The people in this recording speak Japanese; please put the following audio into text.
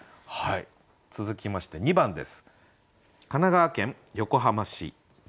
続きまして２番です。